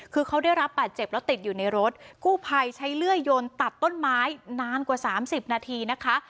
คือเขาได้รับบาดเจ็บแล้วติดอยู่ในรถกู้ภัยใช้เลื่อยยนตัดต้นไม้นานกว่าสามสิบนาทีนะคะ